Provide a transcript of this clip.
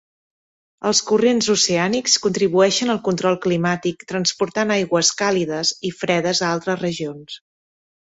Els corrents oceànics contribueixen al control climàtic transportant aigües càlides i fredes a altres regions.